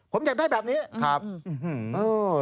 ผมจะได้แบบนี้